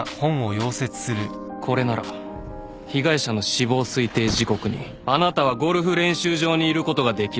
これなら被害者の死亡推定時刻にあなたはゴルフ練習場にいることができる。